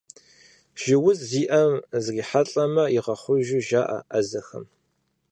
Жьы уз зиӏэм зрихьэлӏэмэ, игъэхъужу жаӏэ ӏэзэхэм.